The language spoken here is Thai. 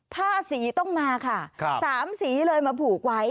ผ้าสีต้องมาค่ะ๓สีเลยมาผูกไว้